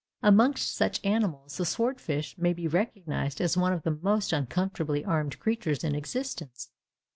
Amongst such animals the sword fish must be recognised as one of the most uncomfortably armed creatures in existence.